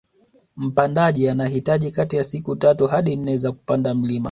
Mpandaji anahitaji kati ya siku tatu hadi nne za kupanda mlima